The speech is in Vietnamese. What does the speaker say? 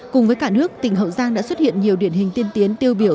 cùng với cả nước tỉnh hậu giang đã xuất hiện nhiều điển hình tiên tiến tiêu biểu